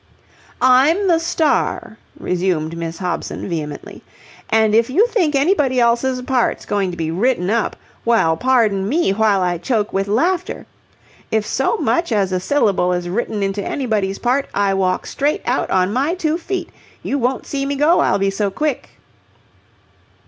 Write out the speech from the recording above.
"I'm the star," resumed Miss Hobson, vehemently, "and, if you think anybody else's part's going to be written up... well, pardon me while I choke with laughter! If so much as a syllable is written into anybody's part, I walk straight out on my two feet. You won't see me go, I'll be so quick."